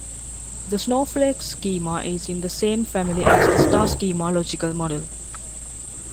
The snowflake schema is in the same family as the star schema logical model.